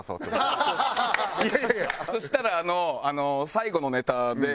そしたらあの最後のネタで。